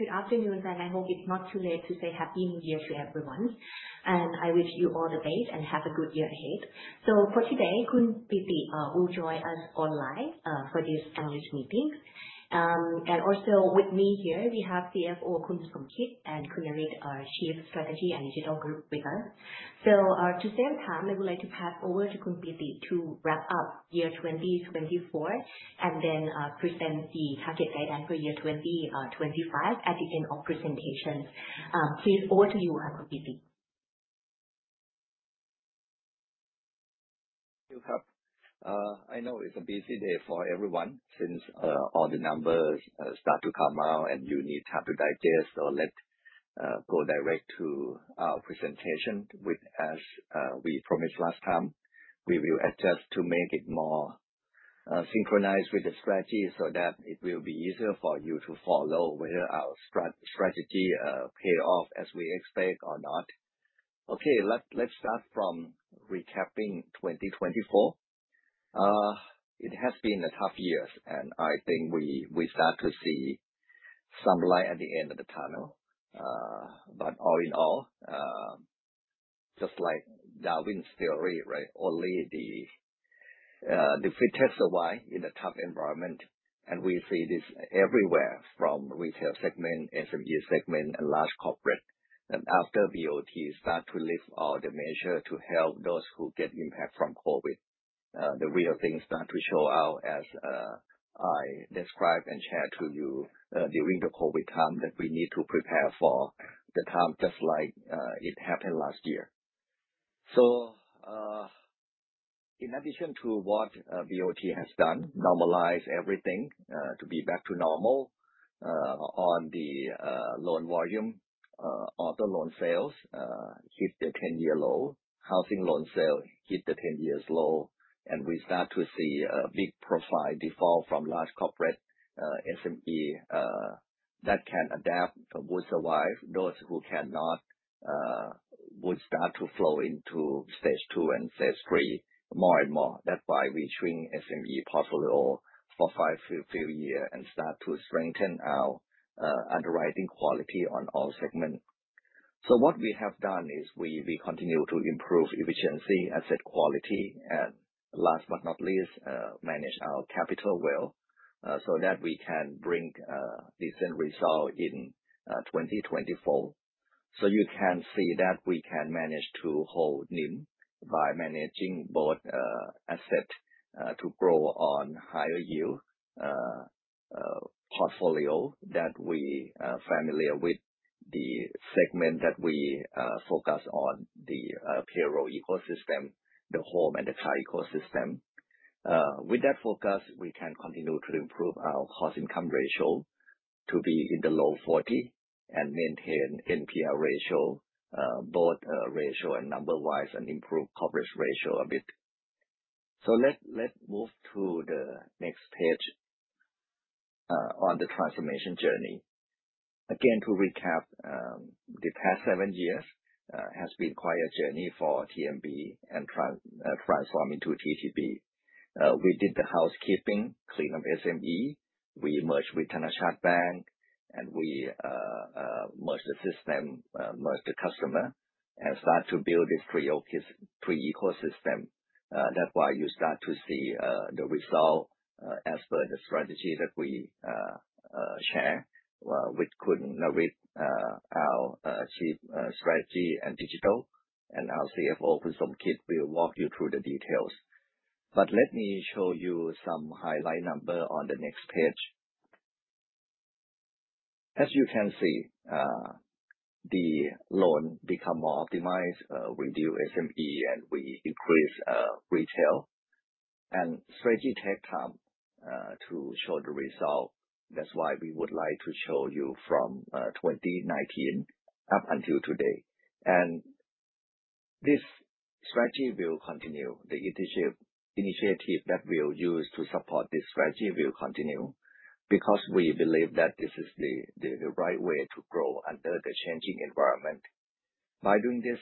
Good afternoon, and I hope it's not too late to say happy new year to everyone. And I wish you all the best and have a good year ahead. So for today, Khun Piti will join us online for this annual meeting. And also with me here, we have CFO Khun Somkit and Khun Naris, our Chief Strategy and Digital Group, with us. So to save time, I would like to pass over to Khun Piti to wrap up year 2024 and then present the target guidance for year 2025 at the end of presentations. Please, over to you, Khun Piti. Thank you, khrap. I know it's a busy day for everyone since all the numbers start to come out, and you need time to digest or let's go direct to our presentation. With that, as we promised last time, we will adjust to make it more synchronized with the strategy so that it will be easier for you to follow whether our strategy pays off as we expect or not. Okay, let's start from recapping 2024. It has been a tough year, and I think we start to see some light at the end of the tunnel. But all in all, just like Darwin's theory, right? Only the fittest survive in a tough environment, and we see this everywhere from the retail segment, SME segment, and large corporate. After BOT starts to lift all the measures to help those who get impact from COVID, the real thing starts to show out, as I described and shared to you during the COVID time, that we need to prepare for the time just like it happened last year. In addition to what BOT has done, normalize everything to be back to normal on the loan volume, auto loan sales hit the 10-year low, housing loan sales hit the 10-year low, and we start to see a big profile default from large corporate, SME that can adapt would survive. Those who cannot would start to flow into stage two and stage three more and more. That's why we shrink SME portfolio for five full years and start to strengthen our underwriting quality on all segments. What we have done is we continue to improve efficiency, asset quality, and last but not least, manage our capital well so that we can bring decent result in 2024. You can see that we can manage to hold NIM by managing both assets to grow on higher yield portfolio that we are familiar with the segment that we focus on, the payroll ecosystem, the home and the car ecosystem. With that focus, we can continue to improve our cost-income ratio to be in the low 40 and maintain NPL ratio, both ratio and number-wise, and improve coverage ratio a bit. Let's move to the next page on the transformation journey. Again, to recap, the past seven years has been quite a journey for TMB and transforming to ttb. We did the housekeeping, clean up SME, we merged with Thanachart Bank, and we merged the system, merged the customer, and started to build this three ecosystem. That's why you start to see the result as per the strategy that we share with Khun Naris, our Chief Strategy and Digital, and our CFO, Khun Somkit. We'll walk you through the details. But let me show you some highlight numbers on the next page. As you can see, the loan becomes more optimized, reduce SME, and we increase retail. And strategy takes time to show the result. That's why we would like to show you from 2019 up until today. And this strategy will continue. The initiative that we'll use to support this strategy will continue because we believe that this is the right way to grow under the changing environment. By doing this,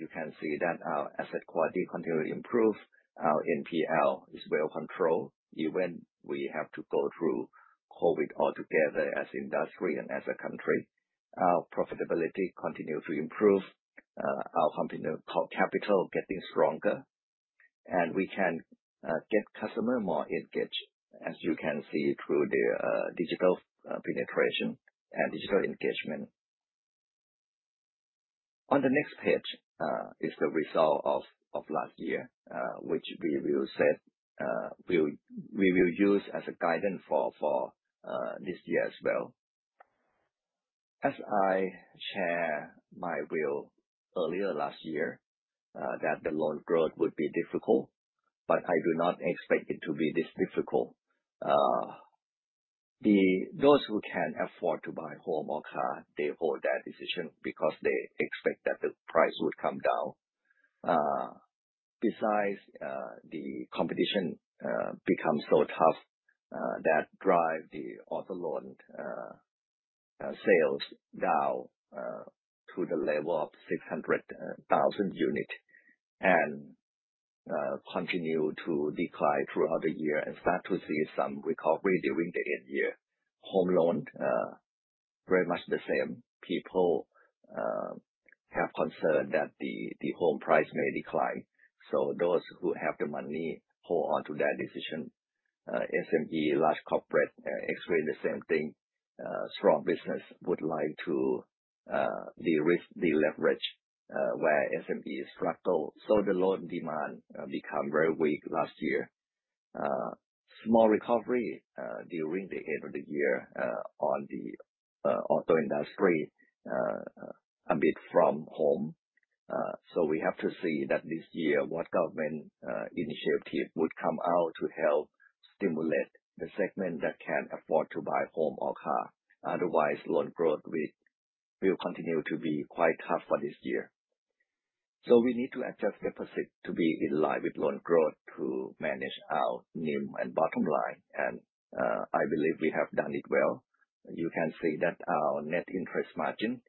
you can see that our asset quality continues to improve. Our NPL is well controlled even though we have to go through COVID altogether as an industry and as a country. Our profitability continues to improve. Our capital is getting stronger, and we can get customers more engaged, as you can see through the digital penetration and digital engagement. On the next page is the result of last year, which we will use as a guidance for this year as well. As I shared my view earlier last year, that the loan growth would be difficult, but I do not expect it to be this difficult. Those who can afford to buy a home or car, they hold that decision because they expect that the price would come down. Besides, the competition becomes so tough that drives the auto loan sales down to the level of 600,000 units and continue to decline throughout the year and start to see some recovery during the end year. Home loans, very much the same. People have concerns that the home price may decline. So those who have the money hold on to that decision. SME, large corporate express the same thing. Strong business would like to deleverage where SMEs struggle. So the loan demand became very weak last year. Small recovery during the end of the year on the auto industry a bit from home. So we have to see that this year what government initiative would come out to help stimulate the segment that can afford to buy a home or car. Otherwise, loan growth will continue to be quite tough for this year. So we need to adjust deposits to be in line with loan growth to manage our NIM and bottom line. And I believe we have done it well. You can see that our net interest margin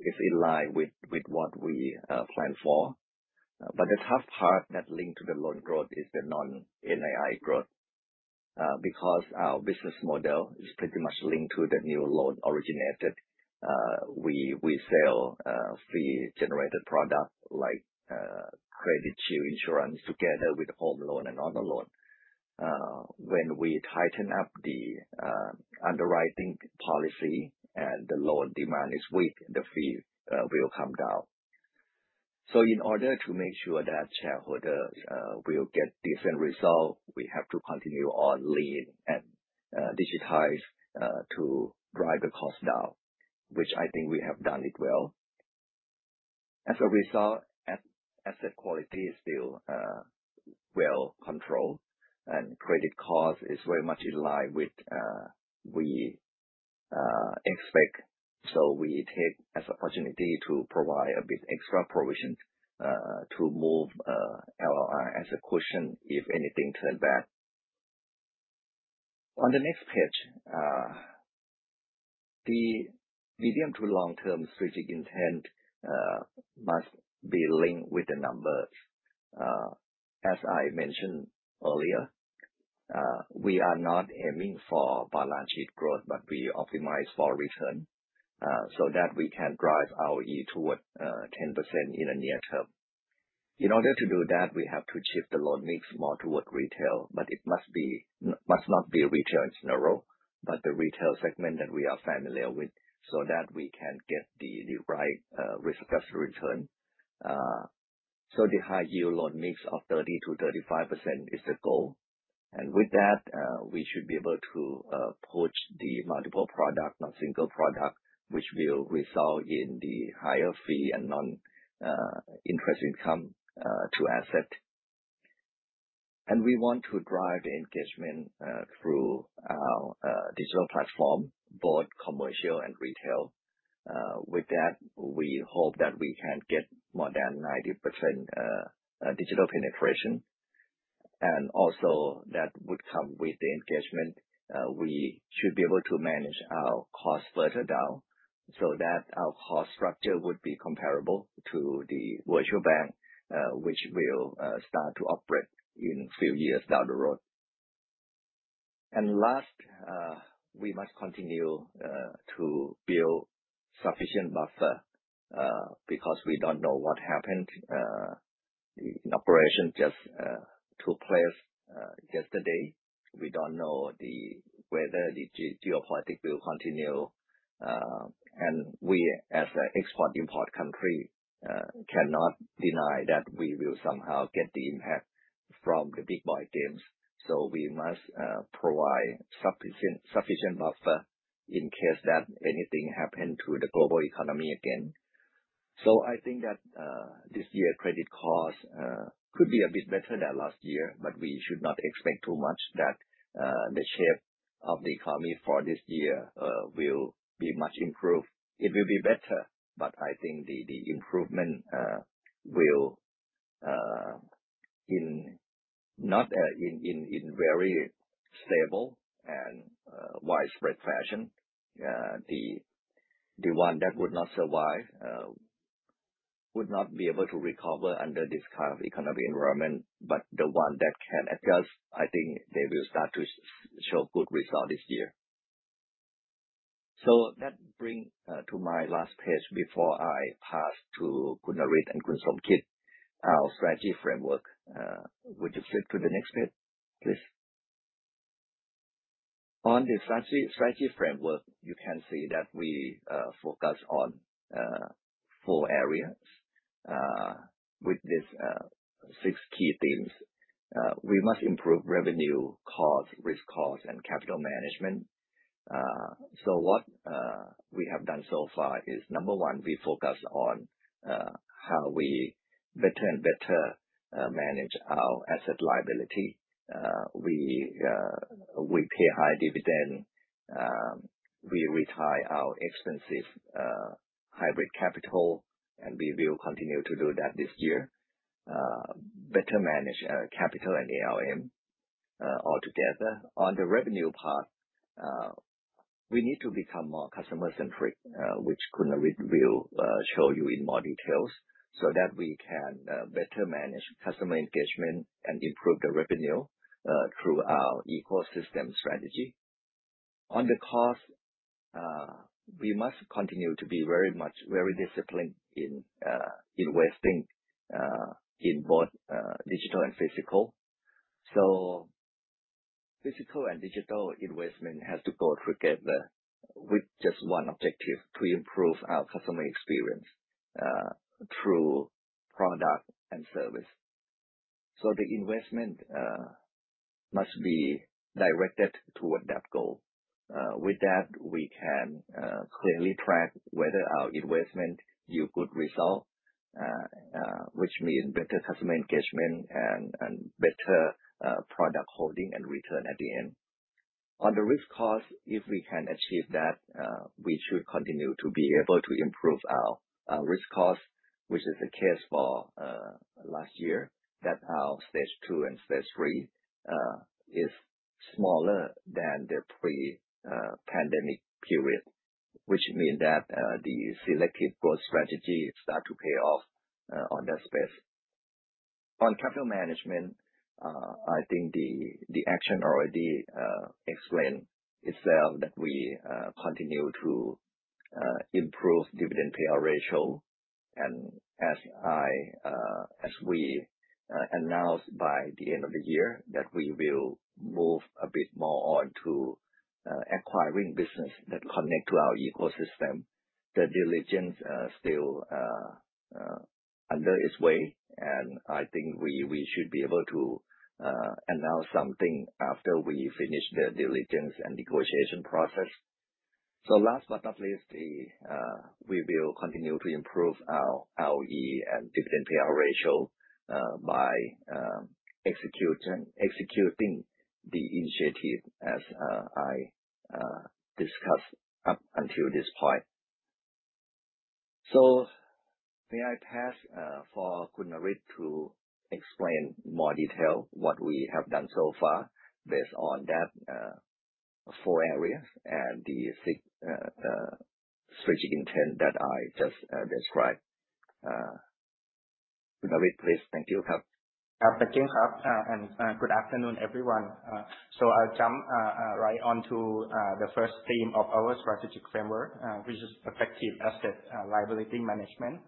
is in line with what we planned for. But the tough part that links to the loan growth is the non-NII growth because our business model is pretty much linked to the new loan originated. We sell fee-generated products like Credit Shield insurance together with home loan and auto loan. When we tighten up the underwriting policy and the loan demand is weak, the fee will come down. So in order to make sure that shareholders will get decent results, we have to continue on lean and digitize to drive the cost down, which I think we have done it well. As a result, asset quality is still well controlled, and credit cost is very much in line with what we expect. So we take this opportunity to provide a bit of extra provision to move LLR as a cushion if anything turns bad. On the next page, the medium to long-term strategic intent must be linked with the numbers. As I mentioned earlier, we are not aiming for balance sheet growth, but we optimize for return so that we can drive ROE toward 10% in the near term. In order to do that, we have to shift the loan mix more toward retail, but it must not be retail in general, but the retail segment that we are familiar with so that we can get the right risk-plus return. So the high-yield loan mix of 30%-35% is the goal. With that, we should be able to poach the multiple products, not single products, which will result in the higher fee and non-interest income to asset. We want to drive the engagement through our digital platform, both commercial and retail. With that, we hope that we can get more than 90% digital penetration. Also, that would come with the engagement. We should be able to manage our cost further down so that our cost structure would be comparable to the virtual bank, which will start to operate in a few years down the road. Last, we must continue to build sufficient buffer because we don't know what happened. The operation just took place yesterday. We don't know whether the geopolitics will continue. We, as an export-import country, cannot deny that we will somehow get the impact from the big boy games. So we must provide sufficient buffer in case that anything happens to the global economy again. So I think that this year, credit costs could be a bit better than last year, but we should not expect too much that the shape of the economy for this year will be much improved. It will be better, but I think the improvement will not be very stable and widespread fashion. The one that would not survive would not be able to recover under this kind of economic environment. But the one that can adjust, I think they will start to show good results this year. So that brings me to my last page before I pass to Khun Naris and Khun Somkit, our strategy framework. Would you flip to the next page, please? On the strategy framework, you can see that we focus on four areas with these six key themes. We must improve revenue, cost, risk cost, and capital management. So what we have done so far is, number one, we focus on how we better and better manage our asset liability. We pay high dividends. We retire our expensive hybrid capital, and we will continue to do that this year. Better manage capital and ALM altogether. On the revenue part, we need to become more customer-centric, which Khun Naris will show you in more details so that we can better manage customer engagement and improve the revenue through our ecosystem strategy. On the cost, we must continue to be very disciplined in investing in both digital and physical. So physical and digital investment has to go together with just one objective: to improve our customer experience through product and service. So the investment must be directed toward that goal. With that, we can clearly track whether our investment yields good results, which means better customer engagement and better product holding and return at the end. On the risk cost, if we can achieve that, we should continue to be able to improve our risk costs, which is the case for last year, that our Stage 2 and Stage 3 is smaller than the pre-pandemic period, which means that the selective growth strategy starts to pay off on that space. On capital management, I think the action already explained itself that we continue to improve dividend payout ratio, and as we announced by the end of the year, that we will move a bit more on to acquiring business that connects to our ecosystem. The diligence is still under way, and I think we should be able to announce something after we finish the diligence and negotiation process. So last but not least, we will continue to improve our ROE and dividend payout ratio by executing the initiative as I discussed up until this point. May I pass over to Khun Naris to explain in more detail what we have done so far based on that four areas and the six strategic intent that I just described? Khun Naris, please. Thank you. Thank you, khrap. Good afternoon, everyone. I'll jump right on to the first theme of our strategic framework, which is effective asset liability management.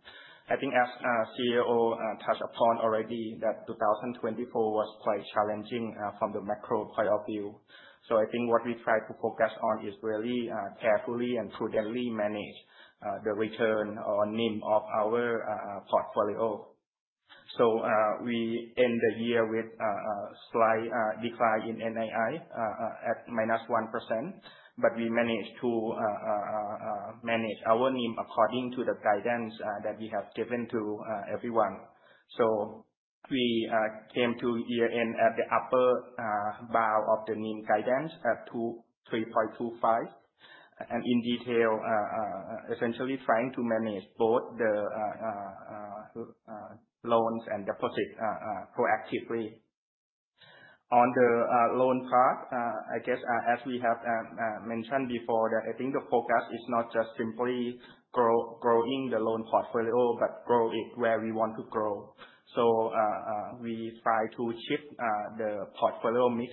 I think, as CFO touched upon already, that 2024 was quite challenging from the macro point of view. I think what we try to focus on is really carefully and prudently manage the return or NIM of our portfolio. So we end the year with a slight decline in NII at minus 1%, but we managed to manage our NIM according to the guidance that we have given to everyone. So we came to year-end at the upper bound of the NIM guidance at 3.25, and in detail, essentially trying to manage both the loans and deposits proactively. On the loan part, I guess, as we have mentioned before, that I think the focus is not just simply growing the loan portfolio, but growing it where we want to grow. So we try to shift the portfolio mix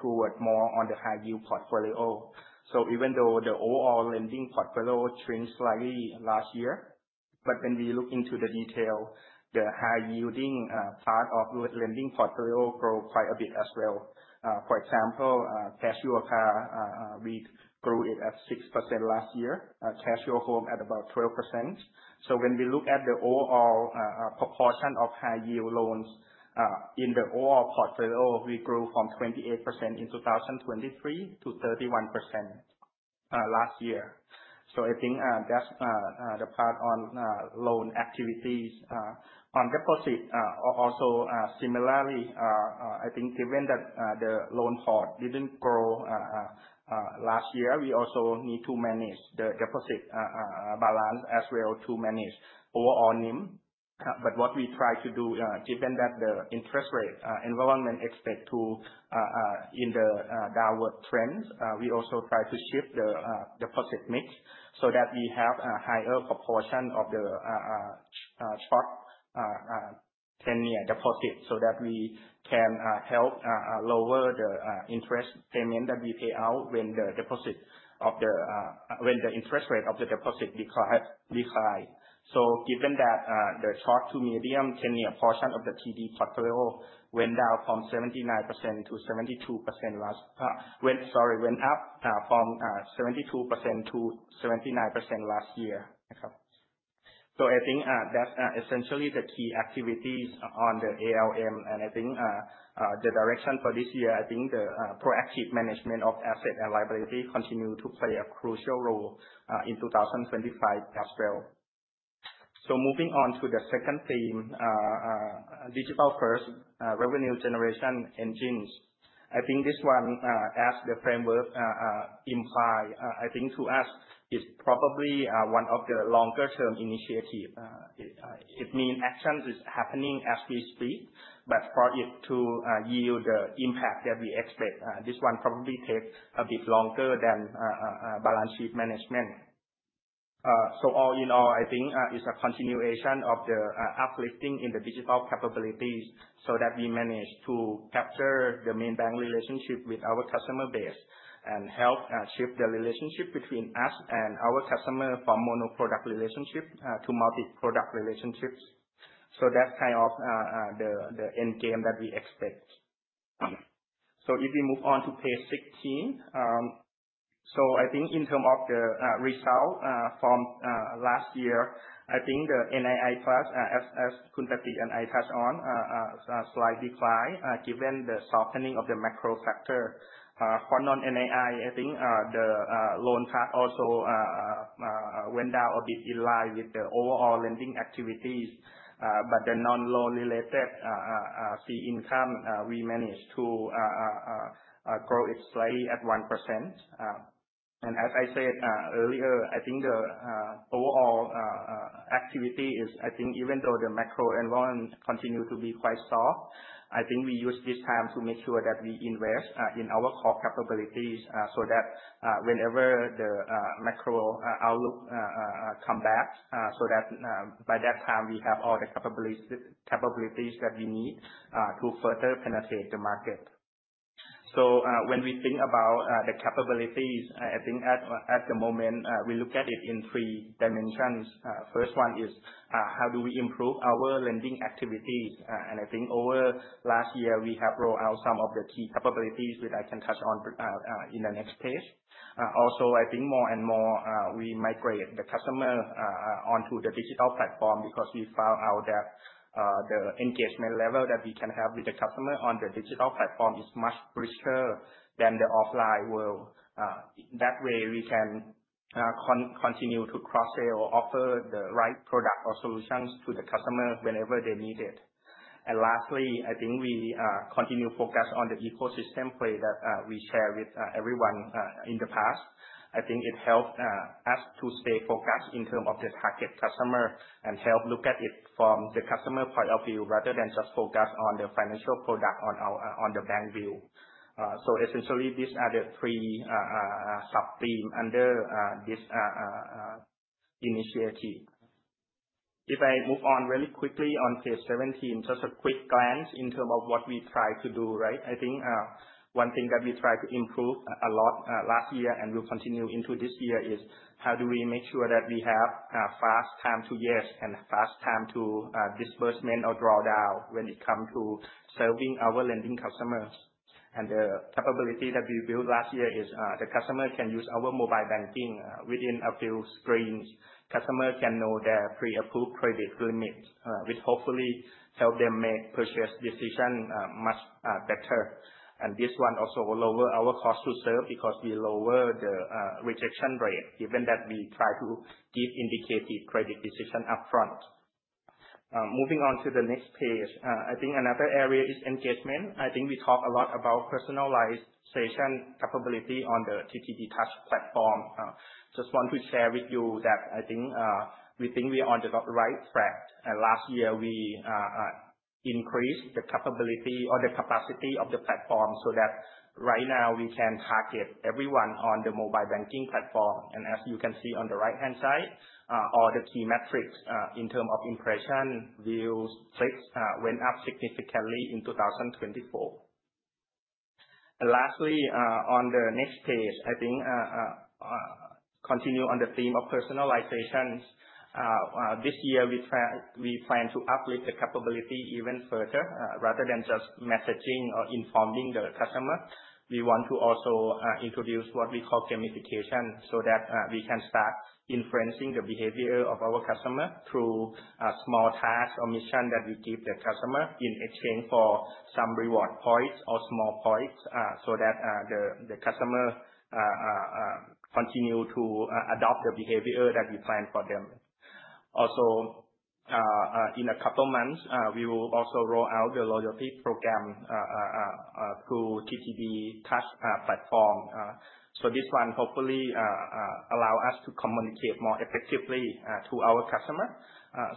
toward more on the high-yield portfolio. So even though the overall lending portfolio shrank slightly last year, but when we look into the detail, the high-yielding part of the lending portfolio grew quite a bit as well. For example, Cash Your Car, we grew it at 6% last year, Cash Your Home at about 12%. So when we look at the overall proportion of high-yield loans in the overall portfolio, we grew from 28% in 2023 to 31% last year. So I think that's the part on loan activities. On deposit, also similarly, I think given that the loan portfolio didn't grow last year, we also need to manage the deposit balance as well to manage overall NIM. But what we try to do, given that the interest rate environment expects to be in the downward trend, we also try to shift the deposit mix so that we have a higher proportion of the short-term deposit so that we can help lower the interest payment that we pay out when the interest rate of the deposit declines. So given that the short-to-medium-term portion of the TD portfolio went down from 79%-72% last. Sorry, went up from 72%-79% last year. So I think that's essentially the key activities on the ALM. And I think the direction for this year, I think the proactive management of asset and liability continues to play a crucial role in 2025 as well. So moving on to the second theme, digital-first revenue generation engines. I think this one, as the framework implies, I think to us, it's probably one of the longer-term initiatives. It means actions are happening as we speak, but for it to yield the impact that we expect, this one probably takes a bit longer than balance sheet management. So all in all, I think it's a continuation of the uplifting in the digital capabilities so that we manage to capture the main bank relationship with our customer base and help shift the relationship between us and our customer from monoproduct relationship to multi-product relationships. So that's kind of the end game that we expect. So if we move on to page 16, so I think in terms of the result from last year, I think the NII plus, as Khun Piti and I touched on, slightly declined given the softening of the macro factor. For non-NII, I think the loan part also went down a bit in line with the overall lending activities. But the non-loan-related fee income, we managed to grow it slightly at 1%. As I said earlier, I think the overall activity is. I think, even though the macro environment continues to be quite soft, I think we use this time to make sure that we invest in our core capabilities so that whenever the macro outlook comes back, so that by that time, we have all the capabilities that we need to further penetrate the market. When we think about the capabilities, I think at the moment, we look at it in three dimensions. First one is how do we improve our lending activities? I think over last year, we have rolled out some of the key capabilities, which I can touch on in the next page. Also, I think more and more we migrate the customer onto the digital platform because we found out that the engagement level that we can have with the customer on the digital platform is much richer than the offline world. That way, we can continue to cross-sell or offer the right product or solutions to the customer whenever they need it. And lastly, I think we continue to focus on the ecosystem play that we shared with everyone in the past. I think it helped us to stay focused in terms of the target customer and help look at it from the customer point of view rather than just focus on the financial product on the bank view. So essentially, these are the three sub-themes under this initiative. If I move on really quickly on page 17, just a quick glance in terms of what we try to do, right? I think one thing that we tried to improve a lot last year and will continue into this year is how do we make sure that we have fast time to yes and fast time to disbursement or drawdown when it comes to serving our lending customers, and the capability that we built last year is the customer can use our mobile banking within a few screens. Customers can know their pre-approved credit limit, which hopefully helps them make purchase decisions much better, and this one also lowers our cost to serve because we lower the rejection rate, given that we try to give indicative credit decisions upfront. Moving on to the next page, I think another area is engagement. I think we talked a lot about personalization capability on the ttb touch platform. Just want to share with you that I think we are on the right track. Last year, we increased the capability or the capacity of the platform so that right now, we can target everyone on the mobile banking platform. And as you can see on the right-hand side, all the key metrics in terms of impressions, views, clicks went up significantly in 2024. And lastly, on the next page, I think continue on the theme of personalization. This year, we plan to uplift the capability even further. Rather than just messaging or informing the customer, we want to also introduce what we call gamification so that we can start influencing the behavior of our customer through small tasks or missions that we give the customer in exchange for some reward points or small points so that the customer continues to adopt the behavior that we plan for them. Also, in a couple of months, we will also roll out the loyalty program through ttb touch platform. So this one hopefully allows us to communicate more effectively to our customers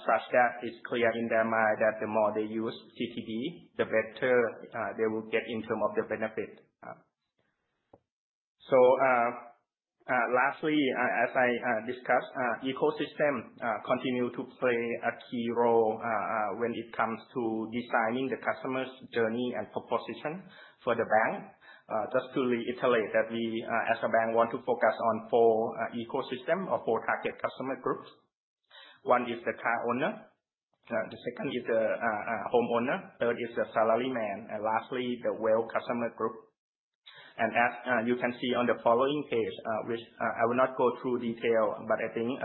such that it's clear in their mind that the more they use ttb, the better they will get in terms of the benefit. So lastly, as I discussed, ecosystem continues to play a key role when it comes to designing the customer's journey and proposition for the bank. Just to reiterate that we, as a bank, want to focus on four ecosystems or four target customer groups. One is the car owner. The second is the homeowner. Third is the salaryman. And lastly, the wealth customer group. As you can see on the following page, which I will not go through in detail, but I think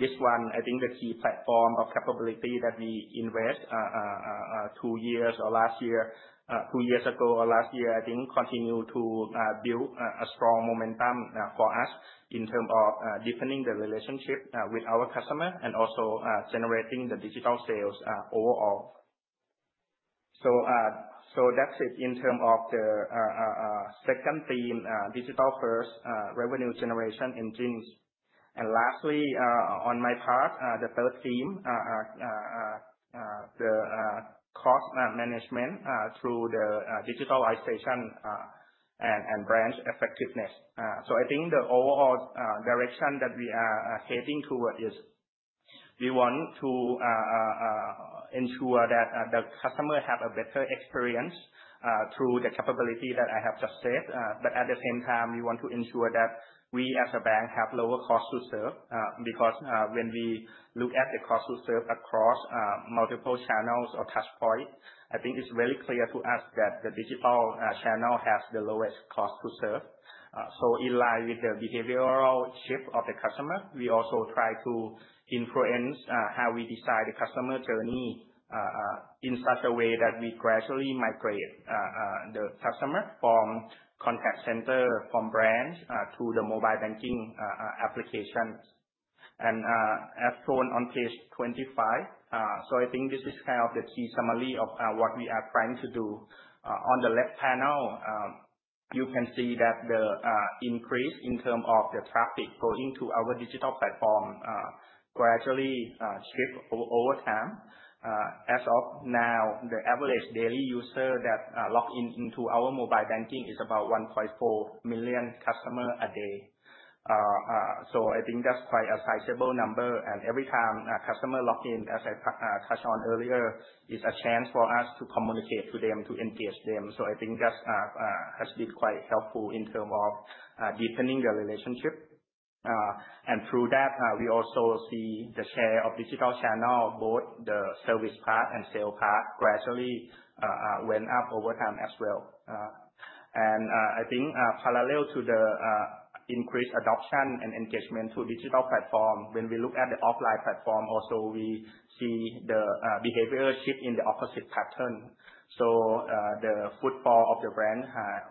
this one, I think the key platform of capability that we invested two years or last year, two years ago or last year, I think continues to build a strong momentum for us in terms of deepening the relationship with our customers and also generating the digital sales overall. That's it in terms of the second theme, digital-first revenue generation engines. Lastly, on my part, the third theme, the cost management through the digitalization and branch effectiveness. I think the overall direction that we are heading toward is we want to ensure that the customer has a better experience through the capability that I have just said. But at the same time, we want to ensure that we, as a bank, have lower cost to serve. Because when we look at the cost to serve across multiple channels or touchpoints, I think it's very clear to us that the digital channel has the lowest cost to serve. So in line with the behavioral shift of the customer, we also try to influence how we decide the customer journey in such a way that we gradually migrate the customer from contact center, from branch to the mobile banking applications. And as shown on page 25, so I think this is kind of the key summary of what we are trying to do. On the left panel, you can see that the increase in terms of the traffic going to our digital platform gradually shifts over time. As of now, the average daily user that logs into our mobile banking is about 1.4 million customers a day. So I think that's quite a sizable number. And every time a customer logs in, as I touched on earlier, it's a chance for us to communicate to them, to engage them. So I think that has been quite helpful in terms of deepening the relationship. And through that, we also see the share of digital channels, both the service part and sales part, gradually went up over time as well. And I think parallel to the increased adoption and engagement to digital platforms, when we look at the offline platform, also we see the behavior shift in the opposite pattern. So the footfall of the branch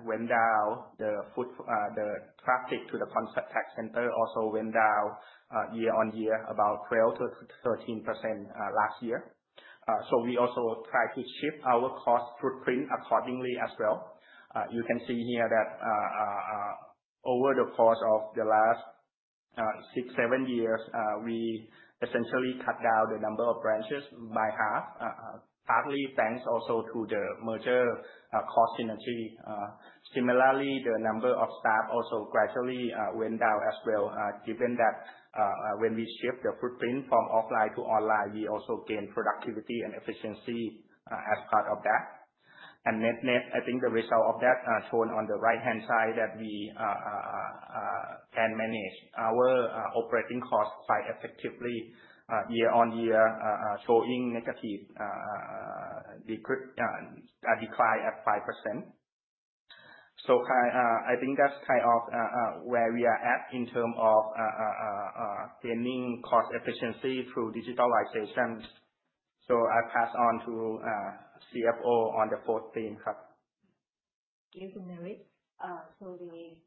went down. The traffic to the contact center also went down year on year, about 12%-13% last year. So we also try to shift our cost footprint accordingly as well. You can see here that over the course of the last six, seven years, we essentially cut down the number of branches by half, partly thanks also to the merger cost synergy. Similarly, the number of staff also gradually went down as well, given that when we shift the footprint from offline to online, we also gain productivity and efficiency as part of that. And I think the result of that shown on the right-hand side that we can manage our operating costs quite effectively year on year, showing negative declines at 5%. So I think that's kind of where we are at in terms of gaining cost efficiency through digitalization. So I pass on to CFO on the fourth theme. Thank you, Khun Naris. So we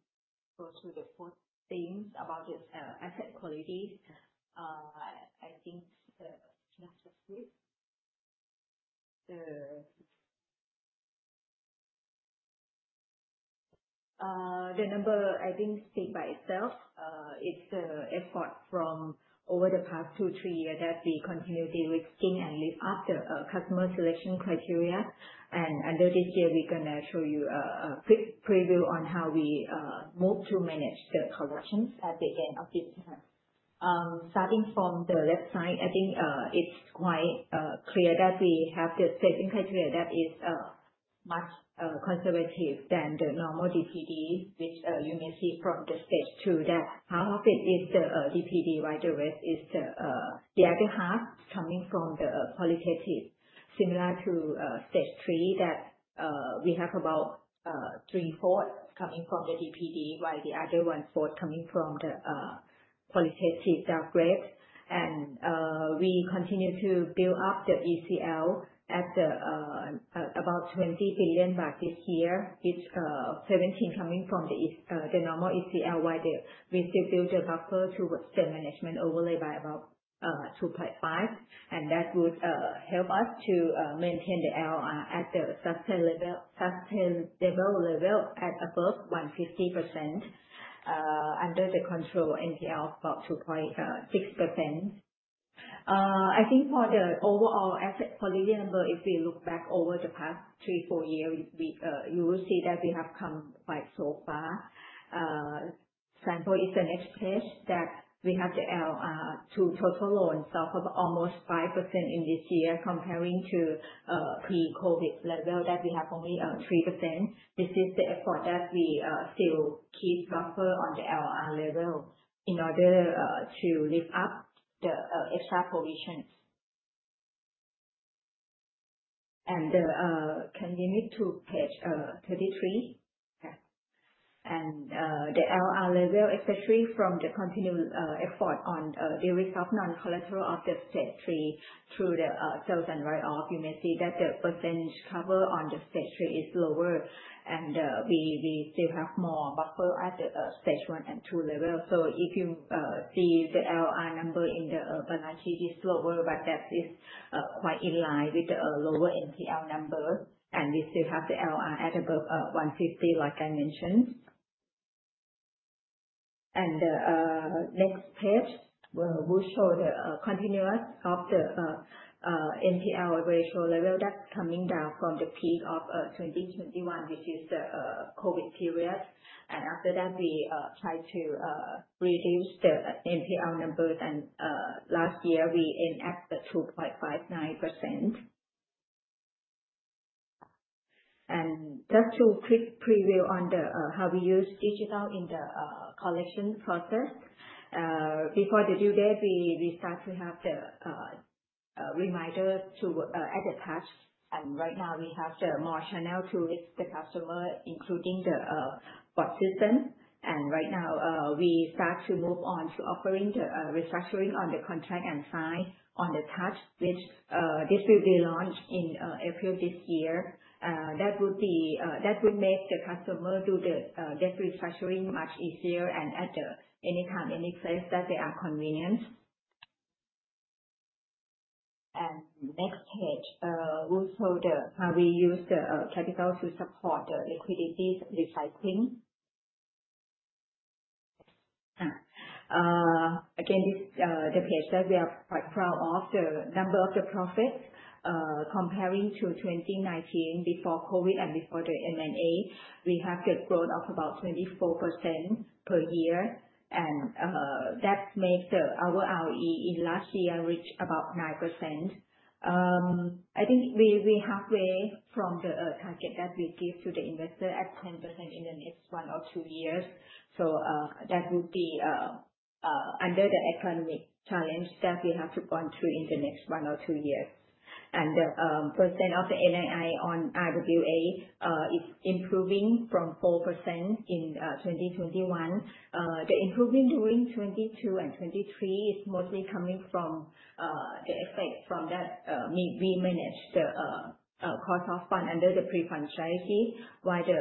go to the fourth theme about asset quality. I think the number, I think, speaks by itself. It's the effort from over the past two, three years that we continue to de-risk and live up to customer selection criteria. In this year, we're going to show you a quick preview on how we move to manage the collections at the end of this year. Starting from the left side, I think it's quite clear that we have the staging criteria that is much conservative than the normal DPD, which you may see from the Stage 2 that half of it is the DPD, while the rest is the other half coming from the qualitative. Similar to Stage 3, that we have about three-fourths coming from the DPD, while the other one-fourth coming from the qualitative downgrade. We continue to build up the ECL at about 20 billion baht by this year, which is 17 billion coming from the normal ECL, while we still build a buffer towards the management overlay by about 2.5 billion. That would help us to maintain the LR at the sustainable level at above 150% under the control NPL of about 2.6%. I think for the overall asset quality number, if we look back over the past three, four years, you will see that we have come quite so far. Simply, as the next page that we have the LR to total loans south of almost 5% in this year, comparing to pre-COVID level that we have only 3%. This is the effort that we still keep buffer on the LR level in order to lift up the extra provisions. Can we move to page 33? And the LR level, especially from the continued effort on the risk of non-collateral of Stage 3 through the sales and write-off, you may see that the coverage on Stage 3 is lower. And we still have more buffer at the Stage 1 and 2 level. So if you see the LR number in the balance sheet, it's lower, but that is quite in line with the lower NPL number. And we still have the LR at above 150, like I mentioned. And the next page will show the continuation of the NPL ratio level that's coming down from the peak of 2021, which is the COVID period. And after that, we try to reduce the NPL numbers. And last year, we aimed at 2.59%. And just a quick preview on how we use digital in the collection process. Before the due date, we start to have the reminder to ttb touch. And right now, we have the more channel to reach the customer, including the bot system. And right now, we start to move on to offering the refinancing on the contract and sign on the ttb touch, which this will be launched in April this year. That would make the customer do the debt refinancing much easier and at any time, any place that they are convenient. And next page, we'll show how we use the capital to support the liquidity recycling. Again, this is the page that we are quite proud of. The number of the profits comparing to 2019 before COVID and before the M&A, we have the growth of about 24% per year. And that makes our ROE in last year reach about 9%. I think we halfway from the target that we give to the investor at 10% in the next one or two years, so that would be under the economic challenge that we have to go through in the next one or two years, and the percent of the NII on RWA is improving from 4% in 2021. The improvement during 2022 and 2023 is mostly coming from the effect from that we manage the cost of fund under the pre-fund strategy, while the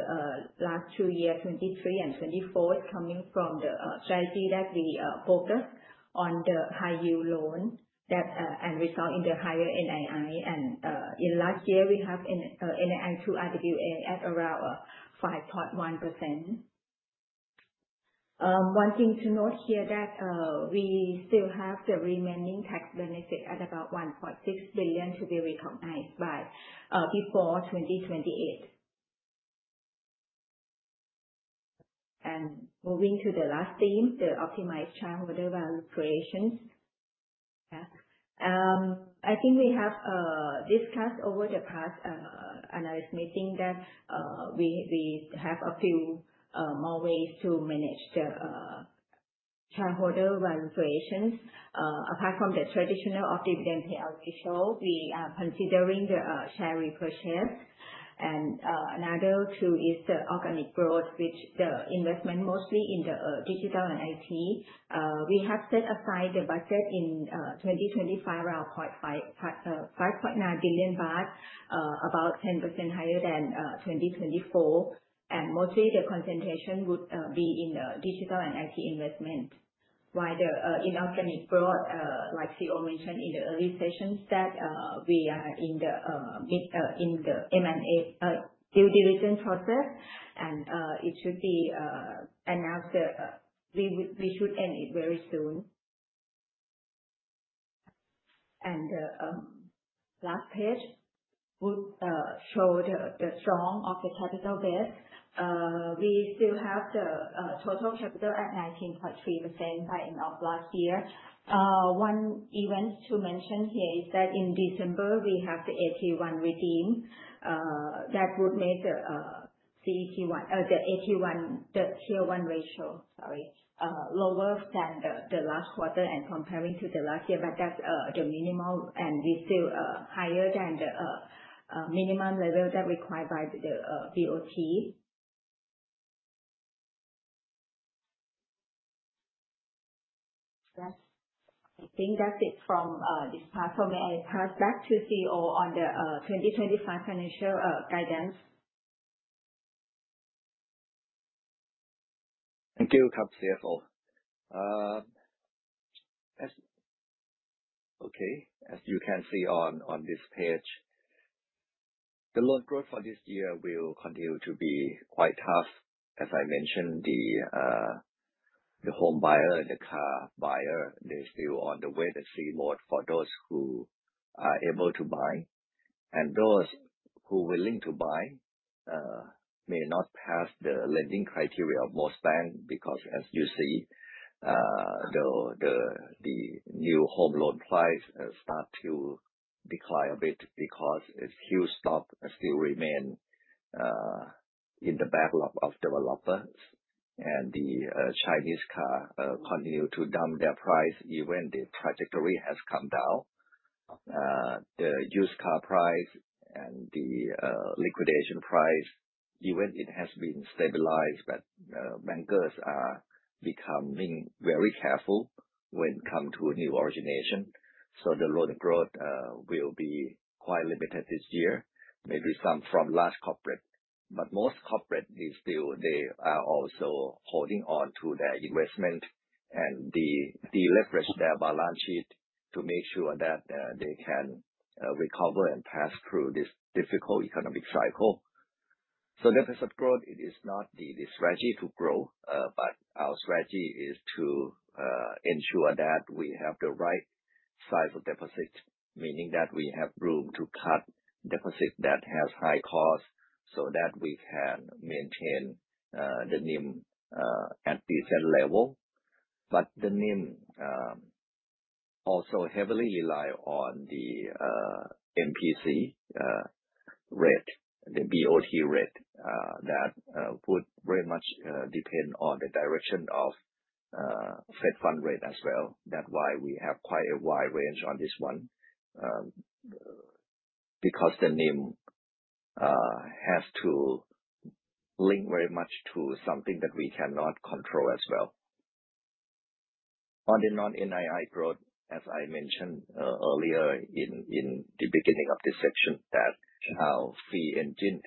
last two years, 2023 and 2024, is coming from the strategy that we focus on the high-yield loan that results in the higher NII, and in last year, we have NII to RWA at around 5.1%. One thing to note here that we still have the remaining tax benefit at about 1.6 billion to be recognized by before 2028. Moving to the last theme, the optimized shareholder value creation. I think we have discussed over the past analyst meeting that we have a few more ways to manage the shareholder value creation. Apart from the traditional of dividend payout ratio, we are considering the share repurchase. Another two is the organic growth, which the investment mostly in the digital and IT. We have set aside the budget in 2025 around 5.9 billion baht, about 10% higher than 2024. Mostly, the concentration would be in digital and IT investment. While the inorganic growth, like CEO mentioned in the early sessions, that we are in the M&A due diligence process. It should be announced that we should end it very soon. Last page would show the strength of the capital base. We still have the total capital at 19.3% by end of last year. One event to mention here is that in December, we have the AT1 redeem that would make the CET1, the AT1, the Tier 1 ratio, sorry, lower than the last quarter and comparing to the last year. But that's the minimal, and we still higher than the minimum level that required by the BOT. I think that's it from this part. So may I pass back to CEO on the 2025 financial guidance. Thank you, CFO. Okay, as you can see on this page, the loan growth for this year will continue to be quite tough. As I mentioned, the home buyer and the car buyer, they're still on the wait-and-see mode for those who are able to buy. Those who are willing to buy may not pass the lending criteria of most banks because, as you see, the new home loan price starts to decline a bit because its huge stock still remains in the backlog of developers. The Chinese cars continue to dump their prices even the trajectory has come down. The used car price and the liquidation price, even it has been stabilized, but bankers are becoming very careful when it comes to new origination. The loan growth will be quite limited this year. Maybe some from large corporate. Most corporate, they are also holding on to their investment and deleveraging their balance sheet to make sure that they can recover and pass through this difficult economic cycle. So deficit growth, it is not the strategy to grow, but our strategy is to ensure that we have the right size of deposit, meaning that we have room to cut deposit that has high costs so that we can maintain the NIM at decent level. But the NIM also heavily relies on the MPC rate, the BOT rate that would very much depend on the direction of Fed Fund rate as well. That's why we have quite a wide range on this one because the NIM has to link very much to something that we cannot control as well. On the non-NII growth, as I mentioned earlier in the beginning of this section, that our fee engine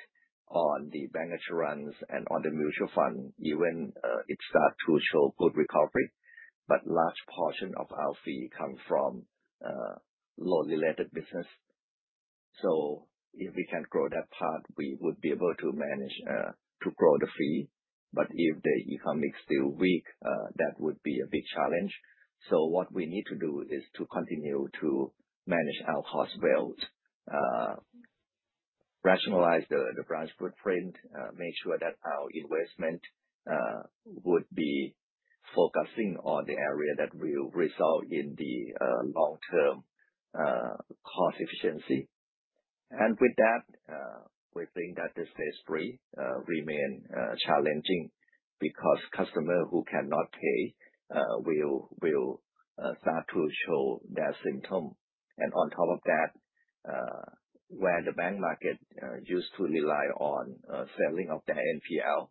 on the bancassurance and on the mutual fund, even it starts to show good recovery, but large portion of our fee comes from loan-related business. So if we can grow that part, we would be able to manage to grow the fee. But if the economy is still weak, that would be a big challenge. So what we need to do is to continue to manage our cost well, rationalize the branch footprint, make sure that our investment would be focusing on the area that will result in the long-term cost efficiency. And with that, we think that the Stage 3 remains challenging because customers who cannot pay will start to show their symptoms. And on top of that, the bank market used to rely on selling of their NPL,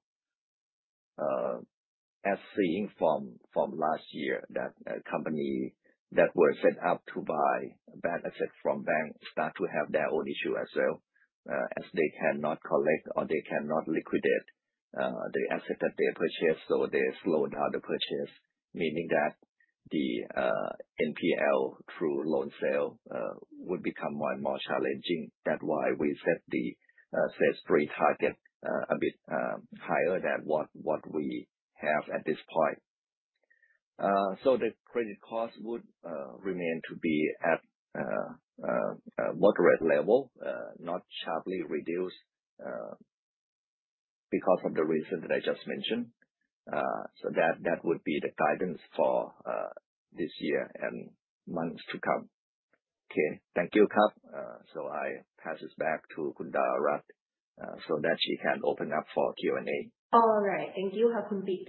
as seen from last year. That companies that were set up to buy bank assets from banks start to have their own issues as well, as they cannot collect or they cannot liquidate the asset that they purchase. So they slow down the purchase, meaning that the NPL through loan sale would become more and more challenging. That's why we set the stage three target a bit higher than what we have at this point. So the credit cost would remain to be at a moderate level, not sharply reduced because of the reason that I just mentioned. So that would be the guidance for this year and months to come. Okay, thank you, Cub. So I pass this back to Khun Nareed so that she can open up for Q&A. All right. Thank you. Have a good week.